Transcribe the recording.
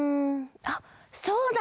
あっそうだ！